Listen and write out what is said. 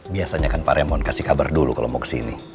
biasanya kan pak remon kasih kabar dulu kalau mau kesini